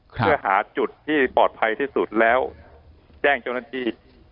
เพื่อหาจุดที่ปลอดภัยที่สุดแล้วแจ้งเจ้าหน้าที่